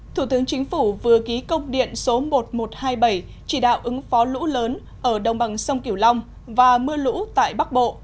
thủ tướng chính phủ vừa ký công điện số một nghìn một trăm hai mươi bảy chỉ đạo ứng phó lũ lớn ở đồng bằng sông kiểu long và mưa lũ tại bắc bộ